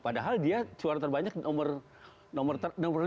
padahal dia suara terbanyak di nomor lima